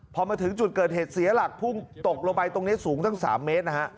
พอมาถึงจุดเกิดเหตุเสียหลักพุ่งตกลงไปตรงนี้สูงตั้ง๓เมตรนะฮะ